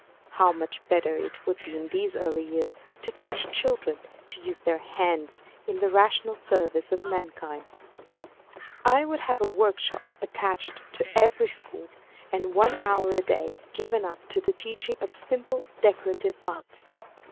How much better it would be in these early years to teach children to use their hands in the rational service of mankind. I would have a workshop attached to every school, and one hour a day given up to the teaching of simple decorative arts.